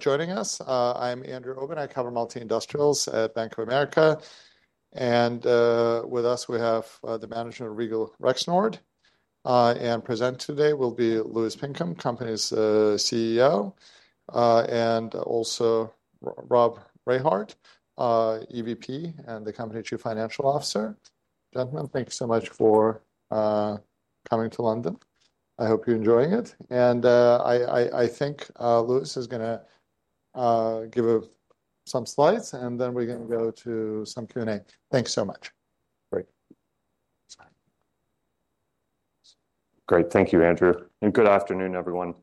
Joining us. I'm Andrew Obin. I cover Multi-Industrials at Bank of America. With us, we have the Management of Regal Rexnord. Present today will be Louis Pinkham, Company's CEO, and also Rob Rehard, EVP and the Company Chief Financial Officer. Gentlemen, thank you so much for coming to London. I hope you're enjoying it. I think Louis is going to give some slides, and then we can go to some Q&A. Thanks so much. Great. Great. Thank you, Andrew. Good afternoon, everyone.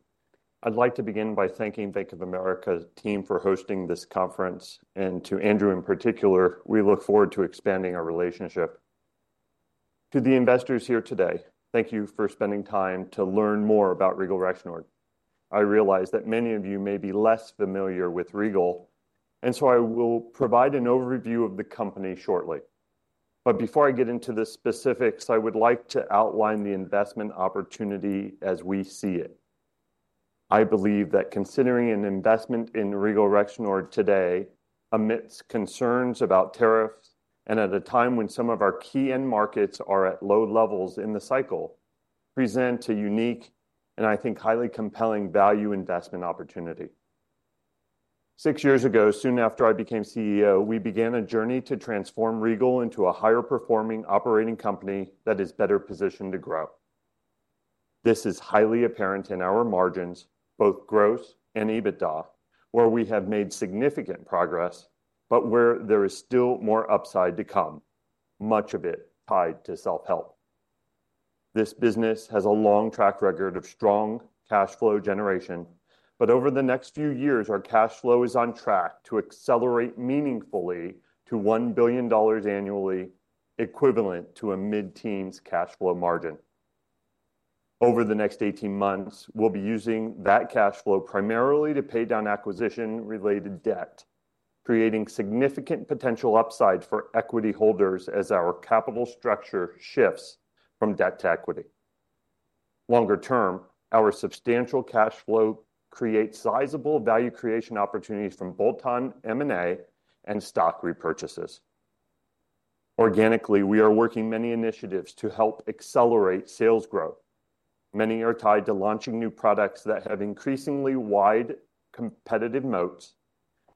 I'd like to begin by thanking Bank of America's team for hosting this conference, and to Andrew in particular. We look forward to expanding our relationship. To the investors here today, thank you for spending time to learn more about Regal Rexnord. I realize that many of you may be less familiar with Regal, and so I will provide an overview of the company shortly. Before I get into the specifics, I would like to outline the investment opportunity as we see it. I believe that considering an investment in Regal Rexnord today amidst concerns about tariffs and at a time when some of our key end markets are at low levels in the cycle presents a unique and, I think, highly compelling value investment opportunity. Six years ago, soon after I became CEO, we began a journey to transform Regal into a higher-performing operating company that is better positioned to grow. This is highly apparent in our margins, both gross and EBITDA, where we have made significant progress, but where there is still more upside to come, much of it tied to self-help. This business has a long track record of strong cash flow generation, but over the next few years, our cash flow is on track to accelerate meaningfully to $1 billion annually, equivalent to a mid-teens cash flow margin. Over the next 18 months, we'll be using that cash flow primarily to pay down acquisition-related debt, creating significant potential upside for equity holders as our capital structure shifts from debt to equity. Longer term, our substantial cash flow creates sizable value creation opportunities from bolt-on M&A and stock repurchases. Organically, we are working on many initiatives to help accelerate sales growth. Many are tied to launching new products that have increasingly wide competitive moats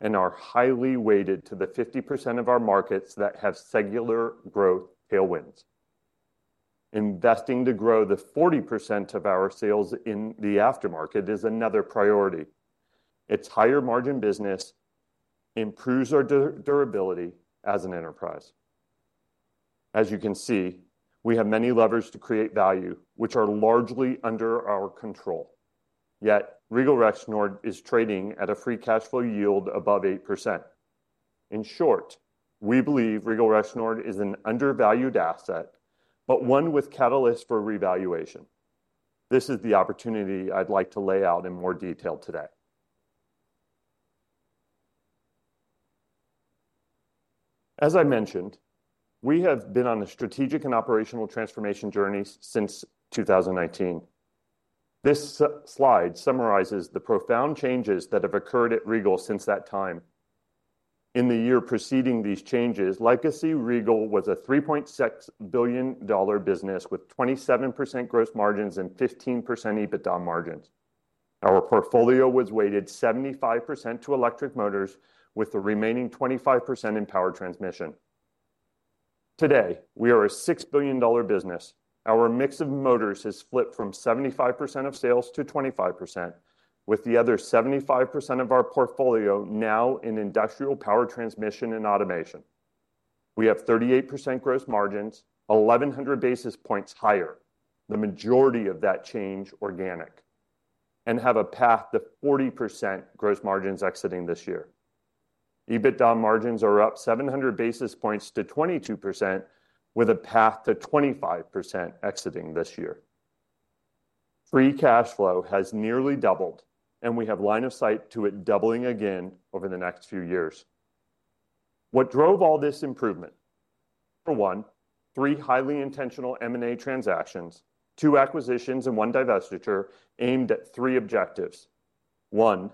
and are highly weighted to the 50% of our markets that have secular growth tailwinds. Investing to grow the 40% of our sales in the aftermarket is another priority. Its higher margin business improves our durability as an enterprise. As you can see, we have many levers to create value, which are largely under our control. Yet Regal Rexnord is trading at a free cash flow yield above 8%. In short, we believe Regal Rexnord is an undervalued asset, but one with catalysts for revaluation. This is the opportunity I'd like to lay out in more detail today. As I mentioned, we have been on a strategic and operational transformation journey since 2019. This slide summarizes the profound changes that have occurred at Regal Rexnord since that time. In the year preceding these changes, Legacy Regal was a $3.6 billion business with 27% gross margins and 15% EBITDA margins. Our portfolio was weighted 75% to electric motors, with the remaining 25% in power transmission. Today, we are a $6 billion business. Our mix of motors has flipped from 75% of sales to 25%, with the other 75% of our portfolio now in industrial power transmission and automation. We have 38% gross margins, 1,100 basis points higher, the majority of that change organic, and have a path to 40% gross margins exiting this year. EBITDA margins are up 700 basis points to 22%, with a path to 25% exiting this year. Free cash flow has nearly doubled, and we have line of sight to it doubling again over the next few years. What drove all this improvement? Number one, three highly intentional M&A transactions, two acquisitions, and one divestiture aimed at three objectives. One,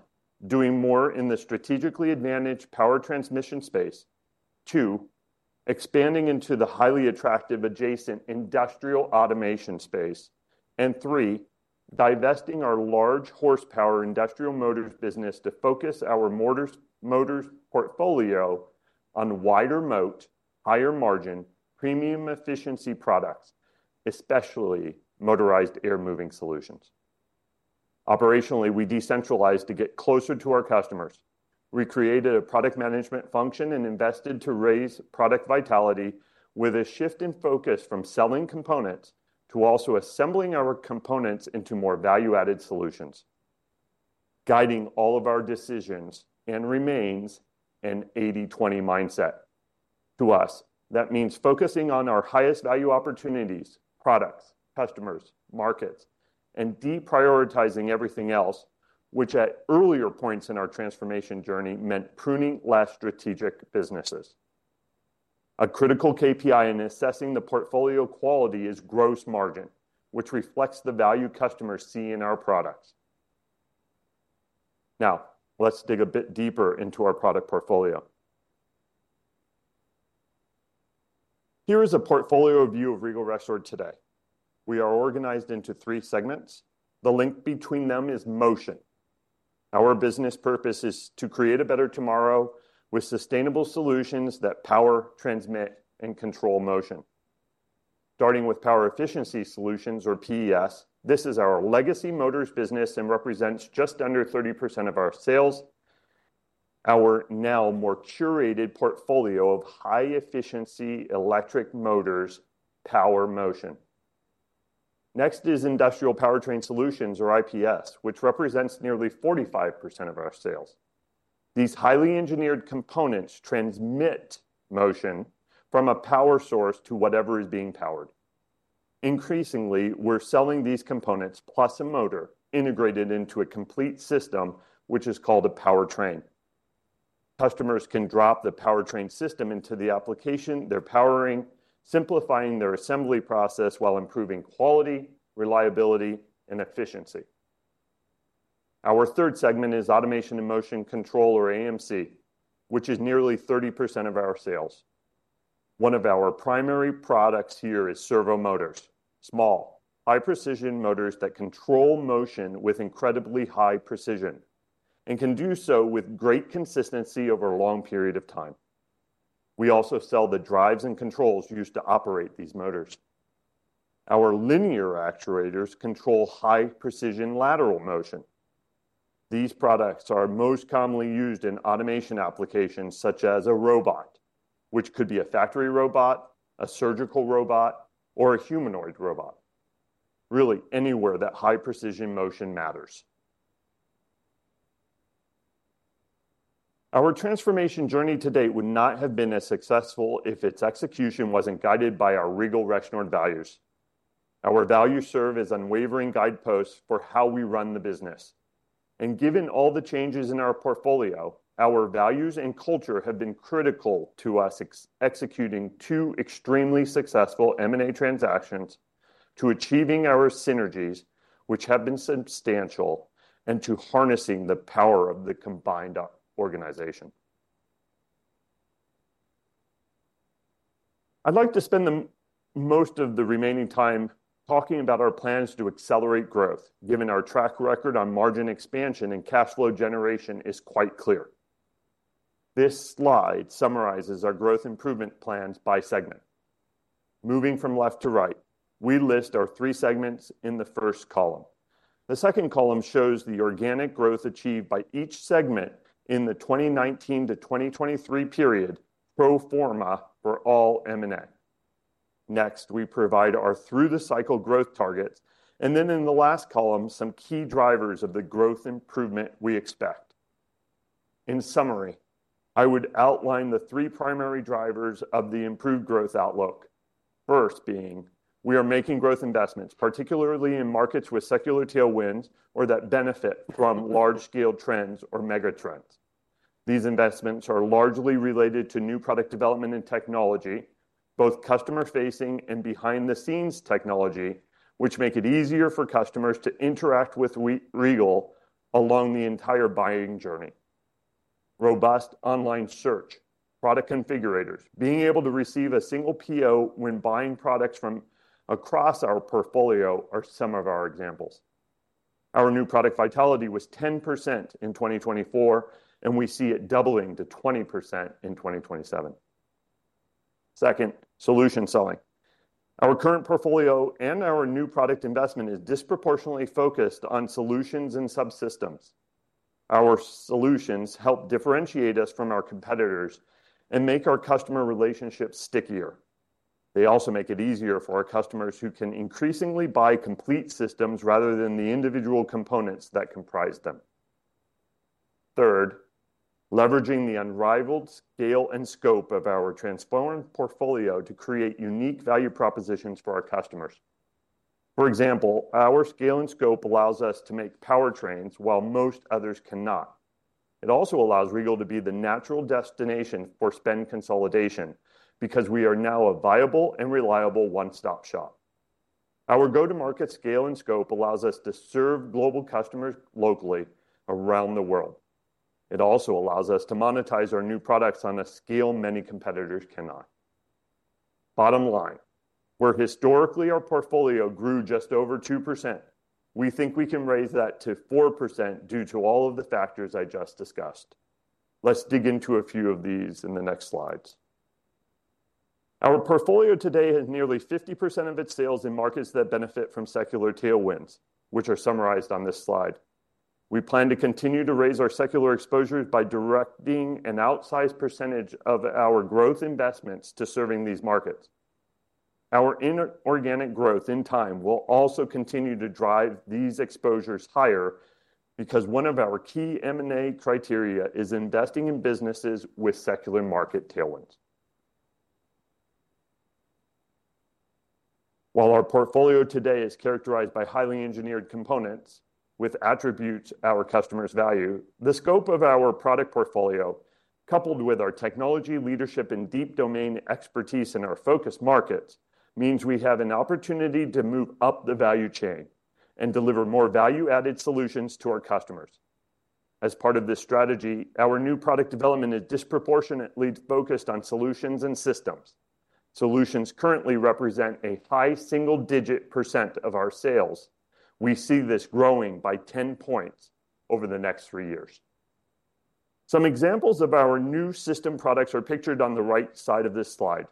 doing more in the strategically advantaged power transmission space. Two, expanding into the highly attractive adjacent industrial automation space. Three, divesting our large horsepower industrial motors business to focus our motors portfolio on wider moat, higher margin, premium efficiency products, especially motorized air moving solutions. Operationally, we decentralized to get closer to our customers. We created a product management function and invested to raise product vitality with a shift in focus from selling components to also assembling our components into more value-added solutions, guiding all of our decisions and remains an 80/20 mindset. To us, that means focusing on our highest value opportunities, products, customers, markets, and deprioritizing everything else, which at earlier points in our transformation journey meant pruning less strategic businesses. A critical KPI in assessing the portfolio quality is gross margin, which reflects the value customers see in our products. Now, let's dig a bit deeper into our product portfolio. Here is a portfolio view of Regal Rexnord today. We are organized into three segments. The link between them is motion. Our business purpose is to create a better tomorrow with sustainable solutions that power, transmit, and control motion. Starting with Power Efficiency Solutions or PES, this is our legacy motors business and represents just under 30% of our sales. Our now more curated portfolio of high efficiency electric motors power motion. Next is Industrial Powertrain Solutions or IPS, which represents nearly 45% of our sales. These highly engineered components transmit motion from a power source to whatever is being powered. Increasingly, we're selling these components plus a motor integrated into a complete system, which is called a powertrain. Customers can drop the powertrain system into the application they're powering, simplifying their assembly process while improving quality, reliability, and efficiency. Our third segment is Automation and Motion Control, or AMC, which is nearly 30% of our sales. One of our primary products here is servo motors, small, high-precision motors that control motion with incredibly high precision and can do so with great consistency over a long period of time. We also sell the drives and controls used to operate these motors. Our linear actuators control high-precision lateral motion. These products are most commonly used in automation applications such as a robot, which could be a factory robot, a surgical robot, or a humanoid robot. Really, anywhere that high-precision motion matters. Our transformation journey to date would not have been as successful if its execution wasn't guided by our Regal Rexnord values. Our values serve as unwavering guideposts for how we run the business. Given all the changes in our portfolio, our values and culture have been critical to us executing two extremely successful M&A transactions, to achieving our synergies, which have been substantial, and to harnessing the power of the combined organization. I'd like to spend most of the remaining time talking about our plans to accelerate growth, given our track record on margin expansion and cash flow generation is quite clear. This slide summarizes our growth improvement plans by segment. Moving from left to right, we list our three segments in the first column. The second column shows the organic growth achieved by each segment in the 2019-2023 period pro forma for all M&A. Next, we provide our through-the-cycle growth targets, and then in the last column, some key drivers of the growth improvement we expect. In summary, I would outline the three primary drivers of the improved growth outlook. First being, we are making growth investments, particularly in markets with secular tailwinds or that benefit from large-scale trends or mega trends. These investments are largely related to new product development and technology, both customer-facing and behind-the-scenes technology, which make it easier for customers to interact with Regal Rexnord along the entire buying journey. Robust online search, product configurators, being able to receive a single PO when buying products from across our portfolio are some of our examples. Our new product vitality was 10% in 2024, and we see it doubling to 20% in 2027. Second, solution selling. Our current portfolio and our new product investment is disproportionately focused on solutions and subsystems. Our solutions help differentiate us from our competitors and make our customer relationships stickier. They also make it easier for our customers who can increasingly buy complete systems rather than the individual components that comprise them. Third, leveraging the unrivaled scale and scope of our transformed portfolio to create unique value propositions for our customers. For example, our scale and scope allows us to make powertrains while most others cannot. It also allows Regal to be the natural destination for spend consolidation because we are now a viable and reliable one-stop shop. Our go-to-market scale and scope allows us to serve global customers locally around the world. It also allows us to monetize our new products on a scale many competitors cannot. Bottom line, where historically our portfolio grew just over 2%, we think we can raise that to 4% due to all of the factors I just discussed. Let's dig into a few of these in the next slides. Our portfolio today has nearly 50% of its sales in markets that benefit from secular tailwinds, which are summarized on this slide. We plan to continue to raise our secular exposures by directing an outsized percentage of our growth investments to serving these markets. Our inorganic growth in time will also continue to drive these exposures higher because one of our key M&A criteria is investing in businesses with secular market tailwinds. While our portfolio today is characterized by highly engineered components with attributes our customers value, the scope of our product portfolio, coupled with our technology leadership and deep domain expertise in our focus markets, means we have an opportunity to move up the value chain and deliver more value-added solutions to our customers. As part of this strategy, our new product development is disproportionately focused on solutions and systems. Solutions currently represent a high single-digit percent of our sales. We see this growing by 10 points over the next three years. Some examples of our new system products are pictured on the right side of this slide.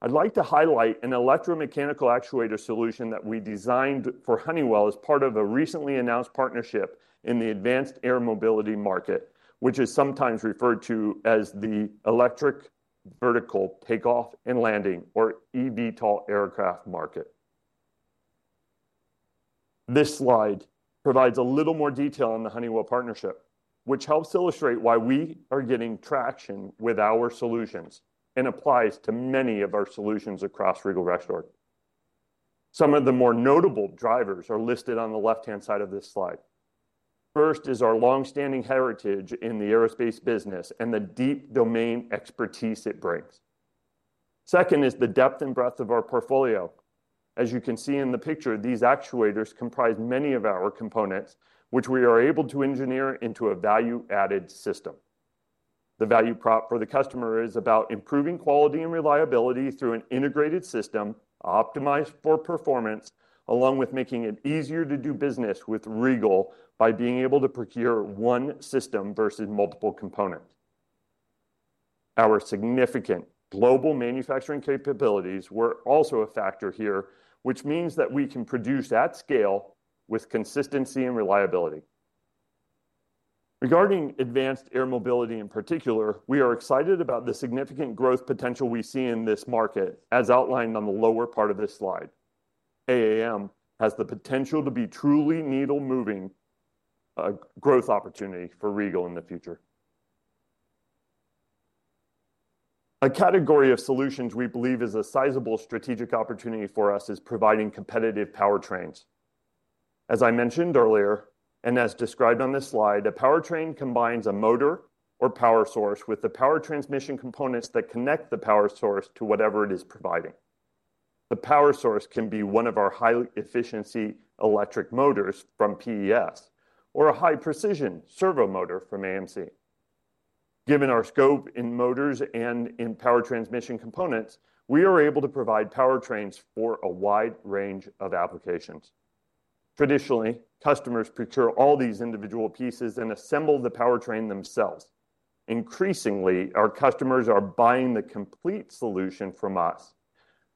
I'd like to highlight an electromechanical actuator solution that we designed for Honeywell as part of a recently announced partnership in the advanced air mobility market, which is sometimes referred to as the Electric Vertical Takeoff and Landing or eVTOL aircraft market. This slide provides a little more detail on the Honeywell partnership, which helps illustrate why we are getting traction with our solutions and applies to many of our solutions across Regal Rexnord. Some of the more notable drivers are listed on the left-hand side of this slide. First is our long-standing heritage in the aerospace business and the deep domain expertise it brings. Second is the depth and breadth of our portfolio. As you can see in the picture, these actuators comprise many of our components, which we are able to engineer into a value-added system. The value prop for the customer is about improving quality and reliability through an integrated system optimized for performance, along with making it easier to do business with Regal by being able to procure one system versus multiple components. Our significant global manufacturing capabilities were also a factor here, which means that we can produce at scale with consistency and reliability. Regarding advanced air mobility in particular, we are excited about the significant growth potential we see in this market, as outlined on the lower part of this slide. AAM has the potential to be truly needle-moving growth opportunity for Regal in the future. A category of solutions we believe is a sizable strategic opportunity for us is providing competitive powertrains. As I mentioned earlier, and as described on this slide, a powertrain combines a motor or power source with the power transmission components that connect the power source to whatever it is providing. The power source can be one of our high-efficiency electric motors from PES or a high-precision servo motor from AMC. Given our scope in motors and in power transmission components, we are able to provide powertrains for a wide range of applications. Traditionally, customers procure all these individual pieces and assemble the powertrain themselves. Increasingly, our customers are buying the complete solution from us,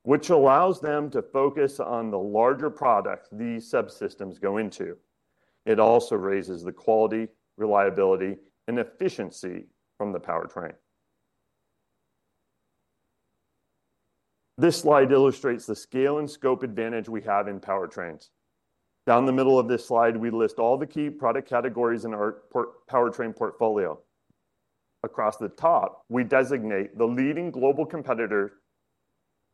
which allows them to focus on the larger products these subsystems go into. It also raises the quality, reliability, and efficiency from the powertrain. This slide illustrates the scale and scope advantage we have in powertrains. Down the middle of this slide, we list all the key product categories in our powertrain portfolio. Across the top, we designate the leading global competitors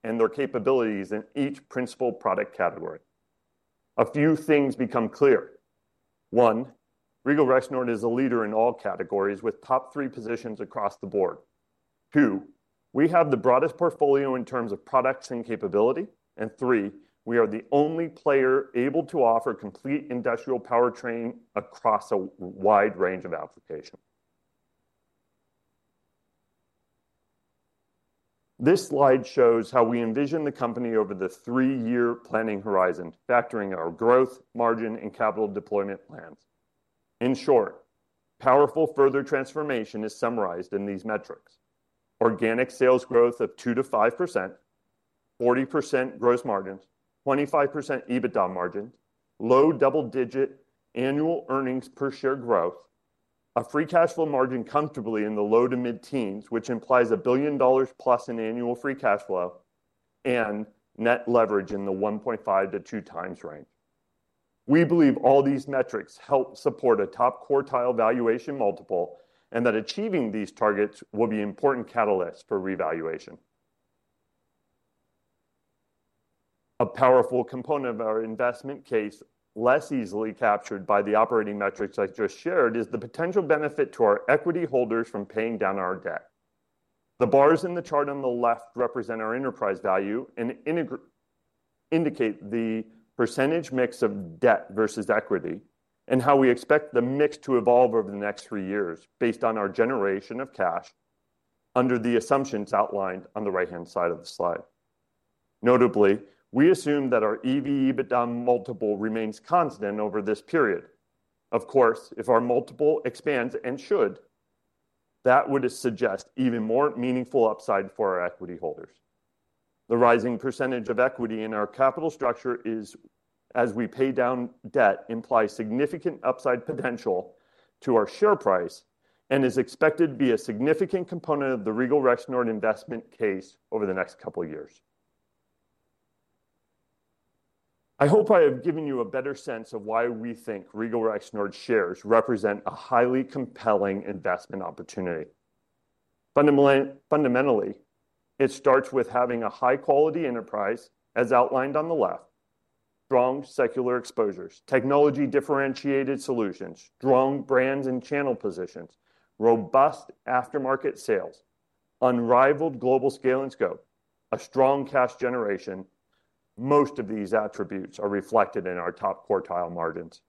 and their capabilities in each principal product category. A few things become clear. One, Regal Rexnord is a leader in all categories with top three positions across the board. Two, we have the broadest portfolio in terms of products and capability. Three, we are the only player able to offer complete industrial powertrain across a wide range of applications. This slide shows how we envision the company over the three-year planning horizon, factoring our growth, margin, and capital deployment plans. In short, powerful further transformation is summarized in these metrics: organic sales growth of 2%-5%, 40% gross margins, 25% EBITDA margins, low double-digit annual earnings per share growth, a free cash flow margin comfortably in the low to mid-teens, which implies a billion dollars plus in annual free cash flow, and net leverage in the 1.5x-2x range. We believe all these metrics help support a top quartile valuation multiple and that achieving these targets will be important catalysts for revaluation. A powerful component of our investment case, less easily captured by the operating metrics I just shared, is the potential benefit to our equity holders from paying down our debt. The bars in the chart on the left represent our enterprise value and indicate the percentage mix of debt versus equity and how we expect the mix to evolve over the next three years based on our generation of cash under the assumptions outlined on the right-hand side of the slide. Notably, we assume that our EV to EBITDA multiple remains constant over this period. Of course, if our multiple expands and should, that would suggest even more meaningful upside for our equity holders. The rising percentage of equity in our capital structure is, as we pay down debt, implies significant upside potential to our share price and is expected to be a significant component of the Regal Rexnord investment case over the next couple of years. I hope I have given you a better sense of why we think Regal Rexnord shares represent a highly compelling investment opportunity. Fundamentally, it starts with having a high-quality enterprise, as outlined on the left, strong secular exposures, technology-differentiated solutions, strong brands and channel positions, robust aftermarket sales, unrivaled global scale and scope, a strong cash generation. Most of these attributes are reflected in our top quartile margins.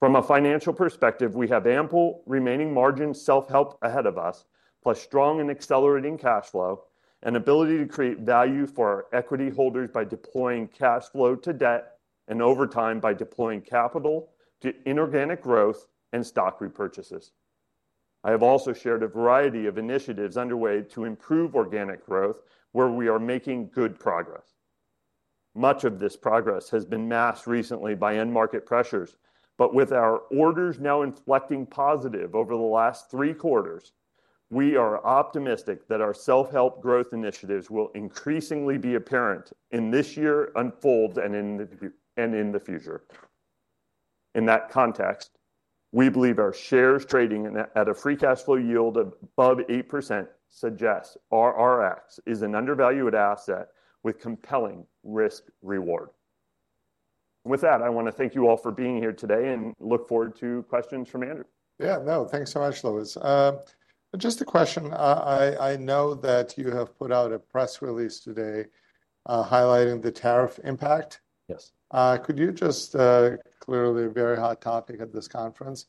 From a financial perspective, we have ample remaining margin self-help ahead of us, plus strong and accelerating cash flow and ability to create value for our equity holders by deploying cash flow to debt and over time by deploying capital to inorganic growth and stock repurchases. I have also shared a variety of initiatives underway to improve organic growth, where we are making good progress. Much of this progress has been masked recently by end market pressures, but with our orders now inflecting positive over the last three quarters, we are optimistic that our self-help growth initiatives will increasingly be apparent in this year's unfold and in the future. In that context, we believe our shares trading at a free cash flow yield of above 8% suggests RRX is an undervalued asset with compelling risk-reward. With that, I want to thank you all for being here today and look forward to questions from Andrew. Yeah, no, thanks so much, Louis. Just a question. I know that you have put out a press release today highlighting the tariff impact. Yes. Could you just clearly, a very hot topic at this conference,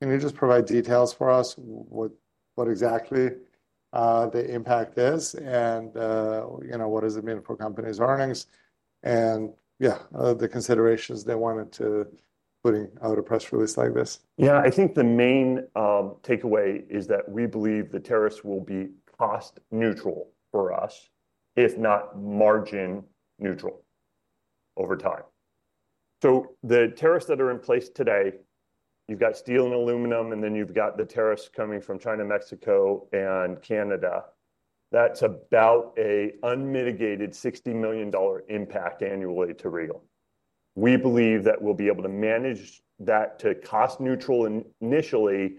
can you just provide details for us what exactly the impact is and what does it mean for companies' earnings and yeah, the considerations they wanted to putting out a press release like this? Yeah, I think the main takeaway is that we believe the tariffs will be cost-neutral for us, if not margin-neutral over time. The tariffs that are in place today, you've got steel and aluminum, and then you've got the tariffs coming from China, Mexico, and Canada. That's about an unmitigated $60 million impact annually to Regal. We believe that we'll be able to manage that to cost-neutral initially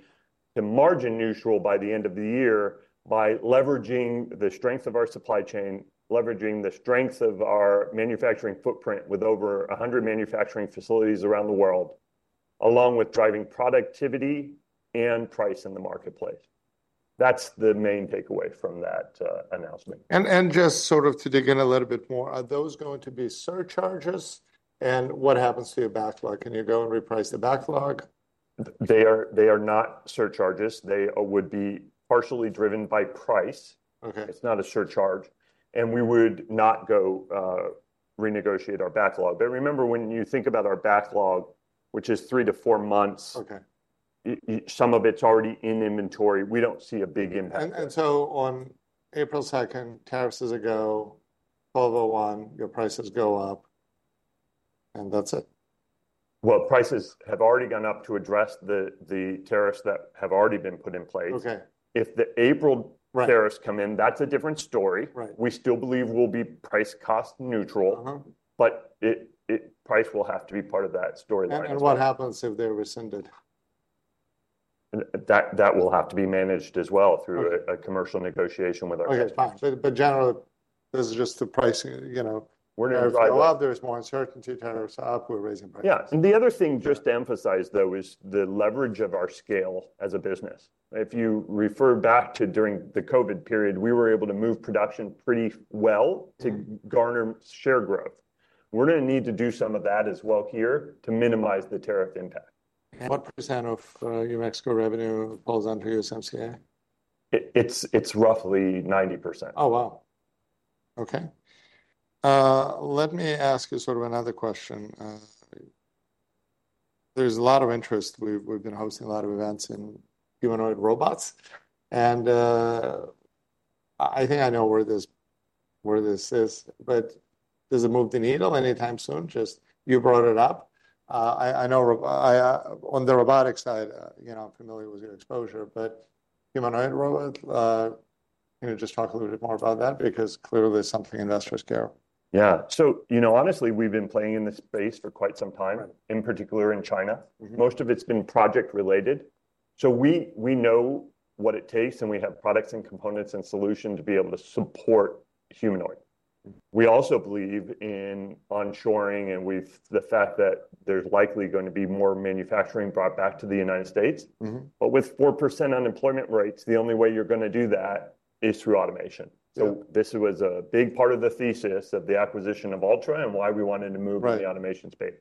to margin-neutral by the end of the year by leveraging the strength of our supply chain, leveraging the strength of our manufacturing footprint with over 100 manufacturing facilities around the world, along with driving productivity and price in the marketplace. That's the main takeaway from that announcement. Just sort of to dig in a little bit more, are those going to be surcharges? What happens to your backlog? Can you go and reprice the backlog? They are not surcharges. They would be partially driven by price. It's not a surcharge. We would not go renegotiate our backlog. Remember, when you think about our backlog, which is three to four months, some of it's already in inventory. We don't see a big impact. On April 2nd, tariffs go, 1201, your prices go up, and that's it. Prices have already gone up to address the tariffs that have already been put in place. If the April tariffs come in, that's a different story. We still believe we'll be price-cost neutral, but price will have to be part of that storyline. What happens if they're rescinded? That will have to be managed as well through a commercial negotiation with our customers. Okay, fine. Generally, this is just the pricing. We're going to go up, there's more uncertainty, tariffs up, we're raising prices. The other thing just to emphasize, though, is the leverage of our scale as a business. If you refer back to during the COVID period, we were able to move production pretty well to garner share growth. We're going to need to do some of that as well here to minimize the tariff impact. What percent of your Mexico revenue falls under USMCA? It's roughly 90%. Oh, wow. Okay. Let me ask you sort of another question. There's a lot of interest. We've been hosting a lot of events in humanoid robots. I think I know where this is, but does it move the needle anytime soon? Just you brought it up. I know on the robotics side, I'm familiar with your exposure, but humanoid robot, can you just talk a little bit more about that? Because clearly, that's something investors care. Yeah. You know, honestly, we've been playing in this space for quite some time, in particular in China. Most of it's been project-related. We know what it takes, and we have products and components and solutions to be able to support humanoid. We also believe in onshoring and the fact that there's likely going to be more manufacturing brought back to the United States. With 4% unemployment rates, the only way you're going to do that is through automation. This was a big part of the thesis of the acquisition of Altra and why we wanted to move in the automation space.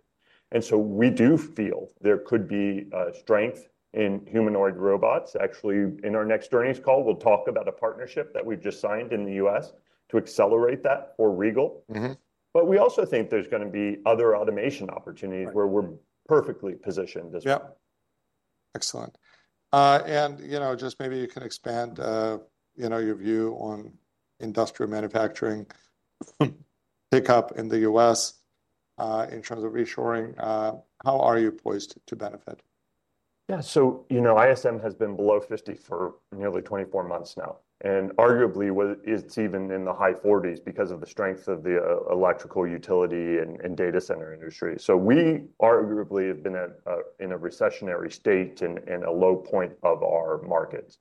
We do feel there could be strength in humanoid robots. Actually, in our next earnings call, we'll talk about a partnership that we've just signed in the U.S. to accelerate that for Regal. We also think there's going to be other automation opportunities where we're perfectly positioned as well. Yeah. Excellent. And, you know, just maybe you can expand your view on industrial manufacturing pickup in the U.S. in terms of reshoring. How are you poised to benefit? Yeah. You know, ISM has been below 50 for nearly 24 months now. Arguably, it's even in the high 40s because of the strength of the electrical utility and data center industry. We arguably have been in a recessionary state and a low point of our markets.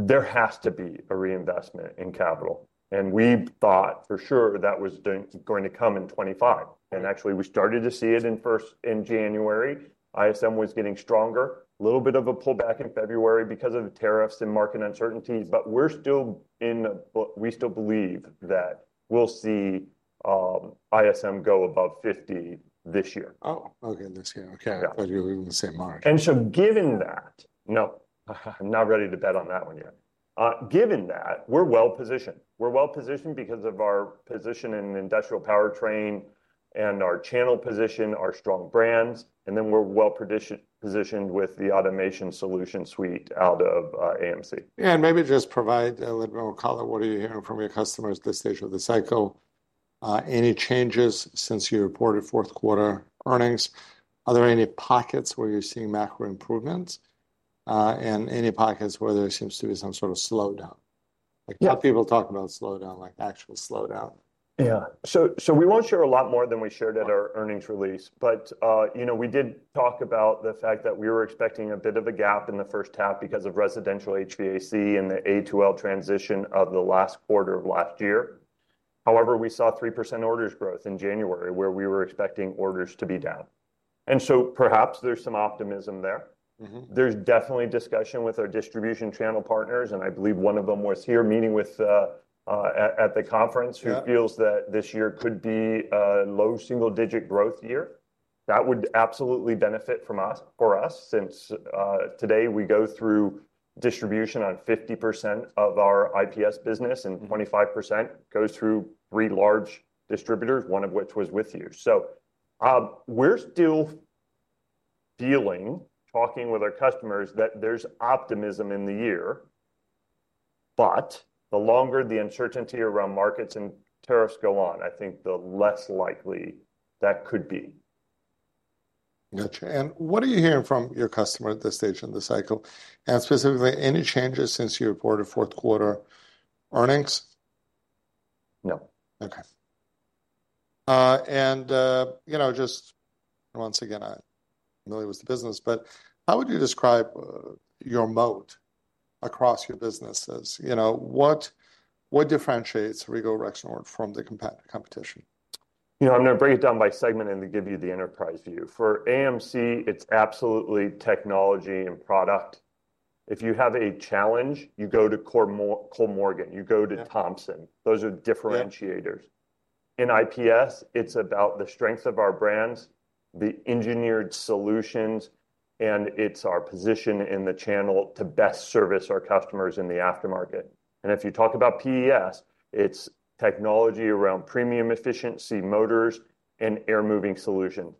There has to be a reinvestment in capital. We thought for sure that was going to come in 2025. Actually, we started to see it first in January. ISM was getting stronger. A little bit of a pullback in February because of the tariffs and market uncertainties. We still believe that we'll see ISM go above 50 this year. Oh, okay. This year. Okay. I thought you were going to say March. Given that, no, I'm not ready to bet on that one yet. Given that, we're well positioned. We're well positioned because of our position in industrial powertrain and our channel position, our strong brands. We are well positioned with the automation solution suite out of AMC. Maybe just provide a little bit more color. What are you hearing from your customers at this stage of the cycle? Any changes since you reported fourth quarter earnings? Are there any pockets where you're seeing macro improvements? Any pockets where there seems to be some sort of slowdown? Like people talk about slowdown, like actual slowdown. Yeah. We won't share a lot more than we shared at our earnings release. You know, we did talk about the fact that we were expecting a bit of a gap in the first half because of residential HVAC and the A2L transition of the last quarter of last year. However, we saw 3% orders growth in January where we were expecting orders to be down. Perhaps there's some optimism there. There's definitely discussion with our distribution channel partners. I believe one of them was here meeting with at the conference who feels that this year could be a low single-digit growth year. That would absolutely benefit us since today we go through distribution on 50% of our IPS business and 25% goes through three large distributors, one of which was with you. We're still dealing, talking with our customers that there's optimism in the year. The longer the uncertainty around markets and tariffs go on, I think the less likely that could be. Gotcha. What are you hearing from your customer at this stage in the cycle? Specifically, any changes since you reported fourth quarter earnings? No. Okay. You know, just once again, I'm familiar with the business, but how would you describe your moat across your businesses? You know, what differentiates Regal Rexnord from the competition? You know, I'm going to break it down by segment and give you the enterprise view. For AMC, it's absolutely technology and product. If you have a challenge, you go to Kollmorgen, you go to Thomson. Those are differentiators. In IPS, it's about the strength of our brands, the engineered solutions, and it's our position in the channel to best service our customers in the aftermarket. If you talk about PES, it's technology around premium efficiency, motors, and air moving solutions.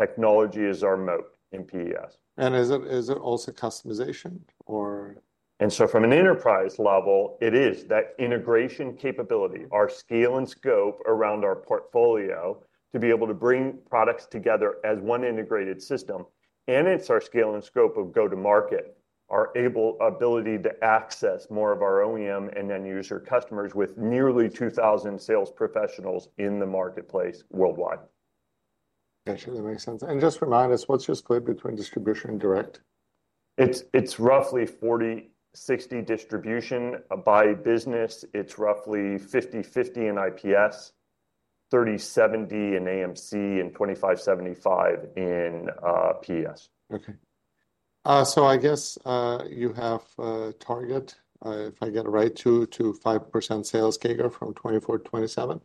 Technology is our moat in PES. Is it also customization or? From an enterprise level, it is that integration capability, our scale and scope around our portfolio to be able to bring products together as one integrated system. It is our scale and scope of go-to-market, our ability to access more of our OEM and end-user customers with nearly 2,000 sales professionals in the marketplace worldwide. Okay. That makes sense. Just remind us, what's your split between distribution and direct? It's roughly 40-60 distribution by business. It's roughly 50-50 in IPS, 30-70 in AMC, and 25-75 in PES. Okay. I guess you have target, if I get it right, to 5% sales CAGR from 2024-2027.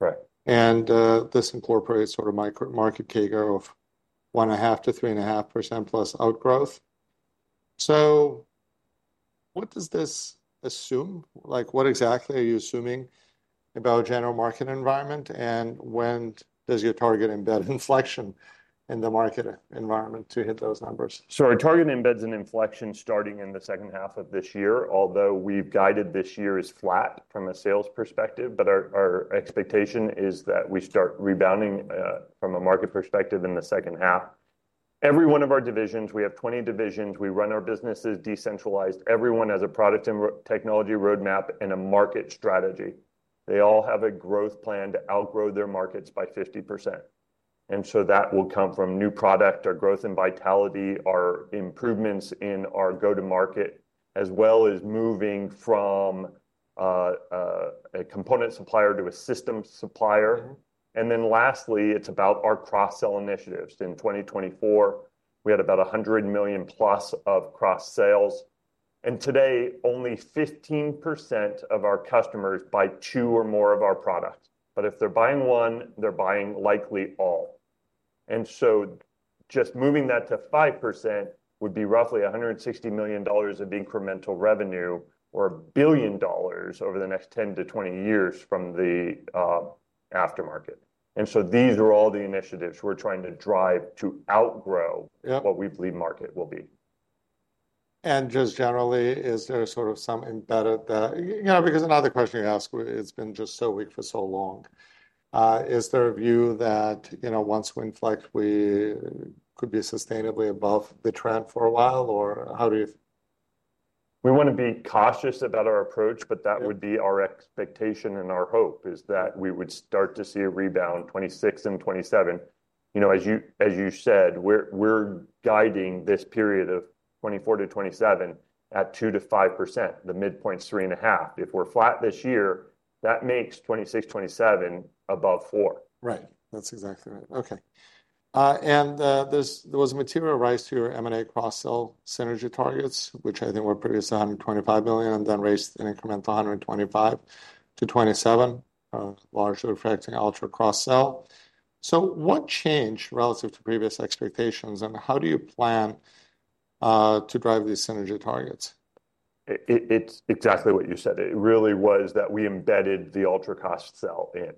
Right. This incorporates sort of micro market CAGR of 1.5%-3.5% plus outgrowth. What does this assume? Like what exactly are you assuming about general market environment? When does your target embed inflection in the market environment to hit those numbers? Our target embeds an inflection starting in the second half of this year, although we've guided this year as flat from a sales perspective. Our expectation is that we start rebounding from a market perspective in the second half. Every one of our divisions, we have 20 divisions. We run our businesses decentralized. Everyone has a product and technology roadmap and a market strategy. They all have a growth plan to outgrow their markets by 50%. That will come from new product, our growth and vitality, our improvements in our go-to-market, as well as moving from a component supplier to a system supplier. Lastly, it's about our cross-sell initiatives. In 2024, we had about $100 million plus of cross-sales. Today, only 15% of our customers buy two or more of our products. If they're buying one, they're buying likely all. Just moving that to 5% would be roughly $160 million of incremental revenue or $1 billion over the next 10-20 years from the aftermarket. These are all the initiatives we're trying to drive to outgrow what we believe market will be. Just generally, is there sort of some embedded that, you know, because another question you ask, it's been just so weak for so long. Is there a view that, you know, once we inflect, we could be sustainably above the trend for a while or how do you? We want to be cautious about our approach, but that would be our expectation and our hope is that we would start to see a rebound 2026 and 2027. You know, as you said, we're guiding this period of 2024-2027 at 2%-5%, the midpoint 3.5%. If we're flat this year, that makes 2026, 2027 above 4%. Right. That's exactly right. Okay. There was a material rise to your M&A cross-sell synergy targets, which I think were previously $125 million and then raised an incremental $125 million to 2027, largely affecting Altra cross-sell. What changed relative to previous expectations and how do you plan to drive these synergy targets? It's exactly what you said. It really was that we embedded the Altra cross-sell in.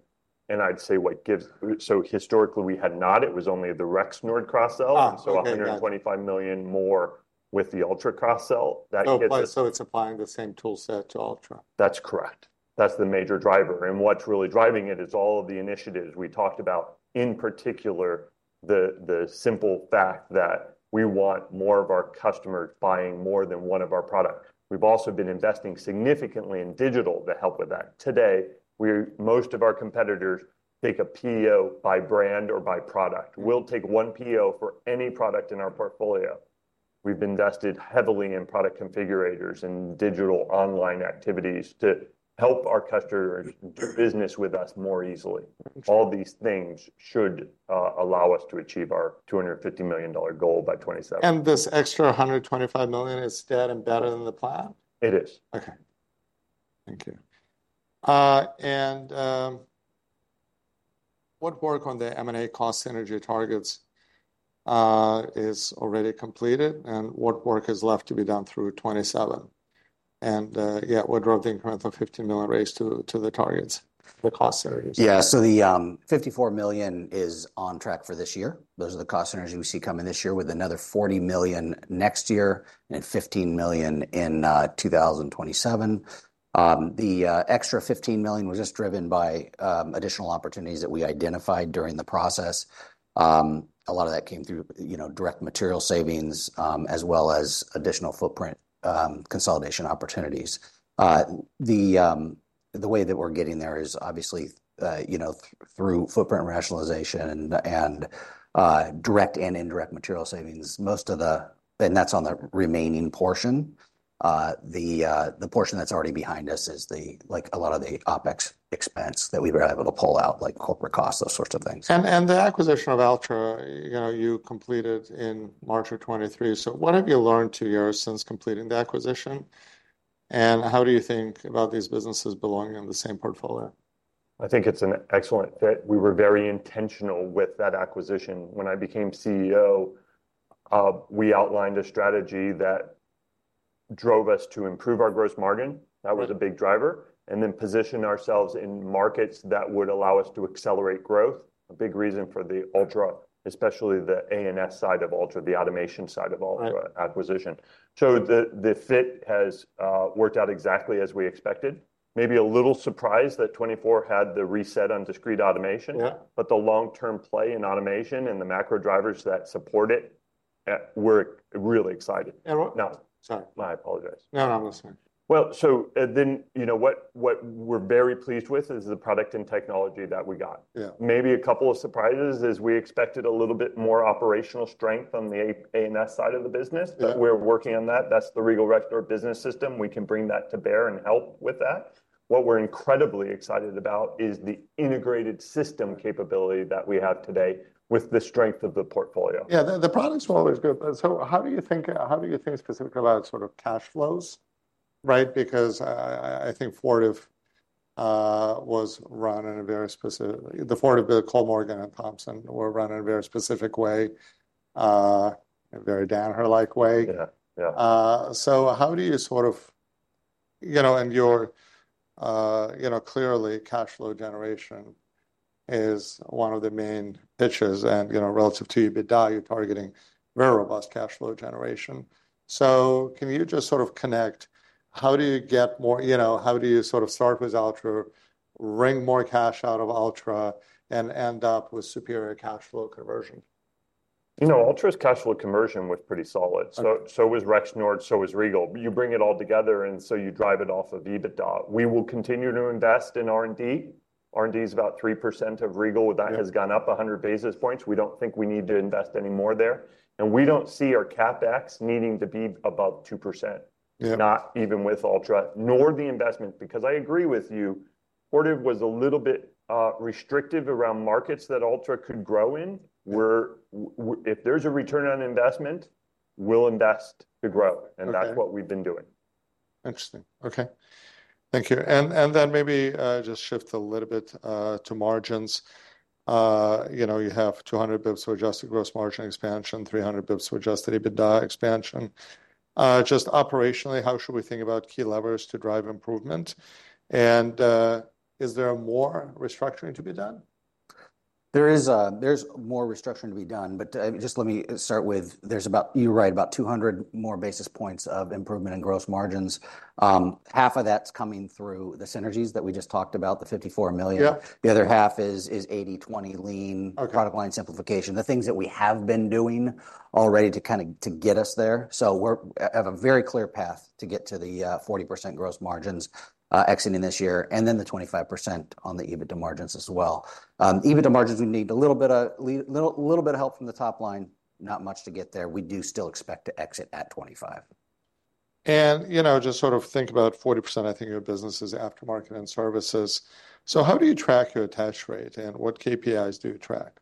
I'd say what gives, so historically we had not, it was only the Rexnord cross-sell. So $125 million more with the Altra cross-sell. It's applying the same toolset to Altra. That's correct. That's the major driver. What's really driving it is all of the initiatives we talked about, in particular, the simple fact that we want more of our customers buying more than one of our products. We've also been investing significantly in digital to help with that. Today, most of our competitors take a PEO by brand or by product. We'll take one PEO for any product in our portfolio. We've invested heavily in product configurators and digital online activities to help our customers do business with us more easily. All these things should allow us to achieve our $250 million goal by 2027. This extra $125 million is dead and better than the plan? It is. Okay. Thank you. What work on the M&A cost synergy targets is already completed and what work is left to be done through 2027? Yeah, what drove the incremental $15 million raised to the targets? The cost synergy. Yeah. The $54 million is on track for this year. Those are the cost synergies we see coming this year with another $40 million next year and $15 million in 2027. The extra $15 million was just driven by additional opportunities that we identified during the process. A lot of that came through, you know, direct material savings as well as additional footprint consolidation opportunities. The way that we're getting there is obviously, you know, through footprint rationalization and direct and indirect material savings. Most of the, and that's on the remaining portion. The portion that's already behind us is the, like a lot of the OpEx expense that we were able to pull out, like corporate costs, those sorts of things. The acquisition of Altra, you know, you completed in March of 2023. What have you learned two years since completing the acquisition? How do you think about these businesses belonging in the same portfolio? I think it's an excellent fit. We were very intentional with that acquisition. When I became CEO, we outlined a strategy that drove us to improve our gross margin. That was a big driver. Then position ourselves in markets that would allow us to accelerate growth. A big reason for the Altra, especially the A&S side of Altra, the automation side of Altra acquisition. The fit has worked out exactly as we expected. Maybe a little surprised that 2024 had the reset on discrete automation. The long-term play in automation and the macro drivers that support it, we're really excited. What? No, sorry. I apologize. No, no, I'm listening. What we're very pleased with is the product and technology that we got. Maybe a couple of surprises is we expected a little bit more operational strength on the A&S side of the business. We're working on that. That's the Regal Rexnord Business System. We can bring that to bear and help with that. What we're incredibly excited about is the integrated system capability that we have today with the strength of the portfolio. Yeah, the product's always good. How do you think, how do you think specifically about sort of cash flows? Right? Because I think Fortive was run in a very specific, the Fortive of the Kollmorgen and Thomson were run in a very specific way, a very Danaher-like way. Yeah. Yeah. How do you sort of, you know, and your, you know, clearly cash flow generation is one of the main pitches and, you know, relative to your bid value, targeting very robust cash flow generation. Can you just sort of connect? How do you get more, you know, how do you sort of start with Altra, wring more cash out of Altra and end up with superior cash flow conversion? You know, Altra's cash flow conversion was pretty solid. So was Rexnord, so was Regal. You bring it all together and you drive it off of EBITDA. We will continue to invest in R&D. R&D is about 3% of Regal. That has gone up 100 basis points. We do not think we need to invest any more there. We do not see our CapEx needing to be above 2%. Yeah. Not even with Altra, nor the investment, because I agree with you. Fortive was a little bit restrictive around markets that Altra could grow in. If there's a return on investment, we'll invest to grow. That's what we've been doing. Interesting. Okay. Thank you. Maybe just shift a little bit to margins. You know, you have 200 basis points of adjusted gross margin expansion, 300 basis points of adjusted EBITDA expansion. Just operationally, how should we think about key levers to drive improvement? Is there more restructuring to be done? There is more restructuring to be done. Just let me start with, there's about, you're right, about 200 more basis points of improvement in gross margins. Half of that's coming through the synergies that we just talked about, the $54 million. The other half is 80-20 lean, product line simplification, the things that we have been doing already to kind of get us there. We have a very clear path to get to the 40% gross margins exiting this year. Then the 25% on the EBITDA margins as well. EBITDA margins, we need a little bit of help from the top line, not much to get there. We do still expect to exit at 25%. You know, just sort of think about 40%, I think your business is aftermarket and services. How do you track your attach rate and what KPIs do you track?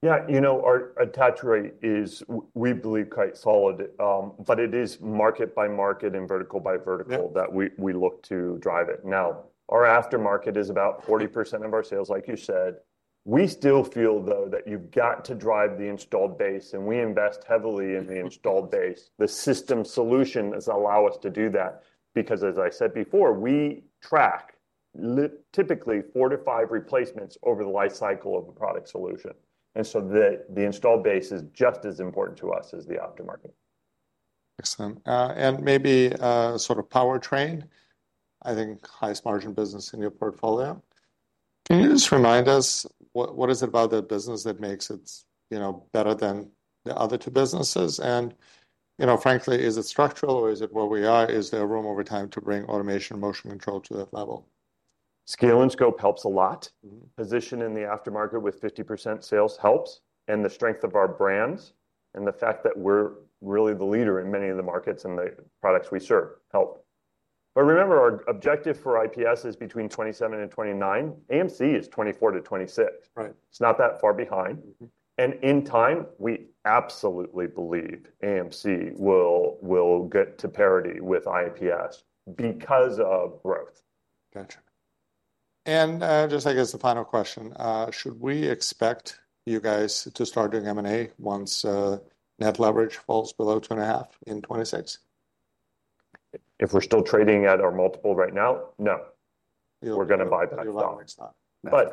Yeah, you know, our attach rate is, we believe, quite solid, but it is market by market and vertical by vertical that we look to drive it. Now, our aftermarket is about 40% of our sales, like you said. We still feel, though, that you've got to drive the installed base, and we invest heavily in the installed base. The system solution has allowed us to do that because, as I said before, we track typically four to five replacements over the life cycle of a product solution. The installed base is just as important to us as the aftermarket. Excellent. Maybe sort of powertrain, I think, highest margin business in your portfolio. Can you just remind us what is it about the business that makes it, you know, better than the other two businesses? You know, frankly, is it structural or is it where we are? Is there room over time to bring automation and motion control to that level? Scale and scope helps a lot. Position in the aftermarket with 50% sales helps, and the strength of our brands and the fact that we're really the leader in many of the markets and the products we serve help. Remember, our objective for IPS is between 27-29. AMC is 24-26. Right. It's not that far behind. In time, we absolutely believe AMC will get to parity with IPS because of growth. Gotcha. I guess the final question, should we expect you guys to start doing M&A once net leverage falls below two and a half in 2026? If we're still trading at our multiple right now, no. We're going to buy back.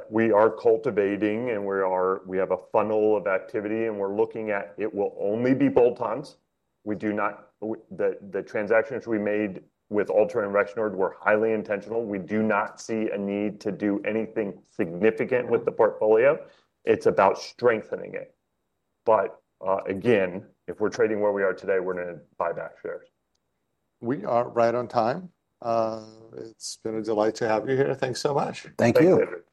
We are cultivating and we have a funnel of activity and we're looking at it will only be bolt-ons. We do not, the transactions we made with Altra and Rexnord were highly intentional. We do not see a need to do anything significant with the portfolio. It is about strengthening it. Again, if we are trading where we are today, we are going to buy back shares. We are right on time. It has been a delight to have you here. Thanks so much. Thank you.